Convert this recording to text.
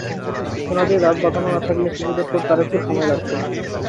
সোনা দিয়ে দাঁত বাঁধানো না থাকলে খুঁজে বের করতে আরেকটু সময় লাগত।